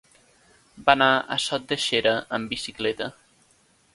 Va anar a Sot de Xera amb bicicleta.